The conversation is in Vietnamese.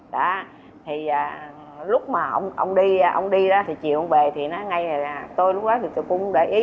đó thì lúc mà ông đi ông đi đó thì chiều ông về thì nó ngay tôi lúc đó thì tôi cũng để ý